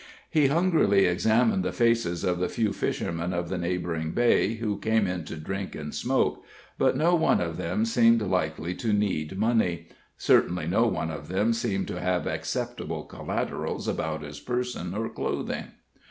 He hungrily examined the faces of the few fishermen of the neighboring bay who came in to drink and smoke, but no one of them seemed likely to need money certainly no one of them seemed to have acceptable collaterals about his person or clothing.